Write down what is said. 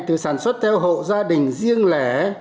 từ sản xuất theo hộ gia đình riêng lẻ